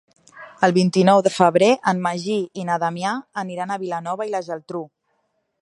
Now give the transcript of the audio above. El vint-i-nou de febrer en Magí i na Damià aniran a Vilanova i la Geltrú.